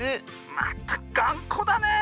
まったくがんこだねえ